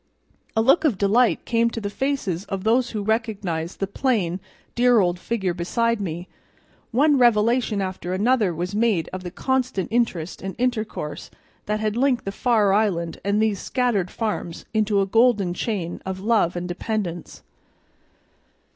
A look of delight came to the faces of those who recognized the plain, dear old figure beside me; one revelation after another was made of the constant interest and intercourse that had linked the far island and these scattered farms into a golden chain of love and dependence.